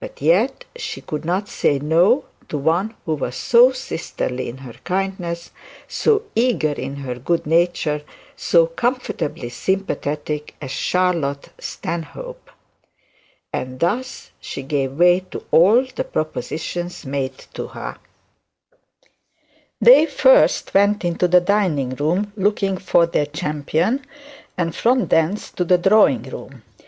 But yet she could not say, 'no,' to one who was so sisterly in her kindness, so eager in her good nature, so comfortably sympathetic as Charlotte Stanhope. They first went into the dining room, looking for their champion, and from thence to the drawing room.